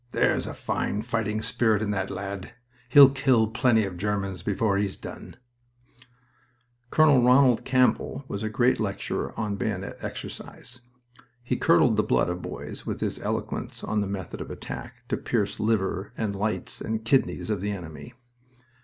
"There's a fine fighting spirit in that lad. He'll kill plenty of Germans before he's done." Col. Ronald Campbell was a great lecturer on bayonet exercise. He curdled the blood of boys with his eloquence on the method of attack to pierce liver and lights and kidneys of the enemy.